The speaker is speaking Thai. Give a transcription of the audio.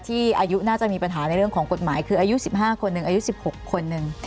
อายุน่าจะมีปัญหาในเรื่องของกฎหมายคืออายุ๑๕คนหนึ่งอายุ๑๖คนหนึ่ง